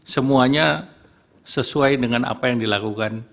semuanya sesuai dengan apa yang dilakukan